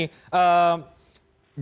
baik bang dhani